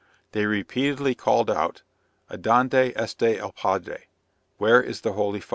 They repeatedly called out "Adonde esta el padre," (Where is the holy father).